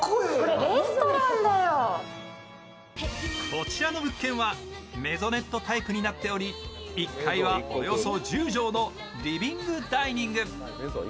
こちらの物件はメゾネットタイプになっており１階は、およそ１畳のリビング・ダイニング。